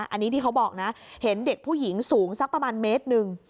อันนี้ที่เขาบอกนะเห็นเด็กผู้หญิงสูงสักประมาณเมตรหนึ่ง